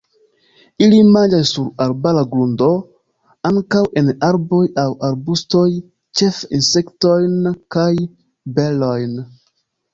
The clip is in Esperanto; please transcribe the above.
Ili manĝas sur arbara grundo, ankaŭ en arboj aŭ arbustoj, ĉefe insektojn kaj berojn.